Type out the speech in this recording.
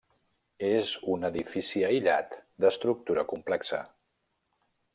És un edifici aïllat d'estructura complexa.